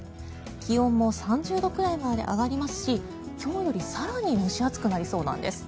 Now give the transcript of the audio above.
気温も３０度くらいまで上がりますし今日より更に蒸し暑くなりそうなんです。